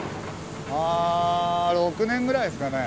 あー６年ぐらいですかね。